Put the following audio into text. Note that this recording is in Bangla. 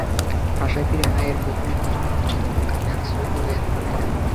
বাসায় ফিরে মায়ের বকুনি হজম করতে তখন কানে আশ্রয় হলো হেডফোনের।